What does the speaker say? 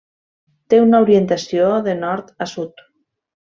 Té una orientació de nord a sud.